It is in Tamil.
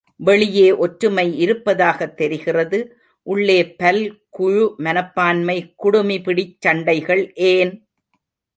வெளியே ஒற்றுமை இருப்பதாகத் தெரிகிறது உள்ளே பல்குழு மனப்பான்மை குடுமிபிடிச் சண்டைகள் ஏன்?